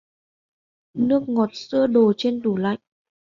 Nước ngọt sữa đồ trên tủ lạnh